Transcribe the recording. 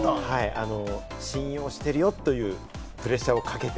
信用してるよというプレッシャーをかけて。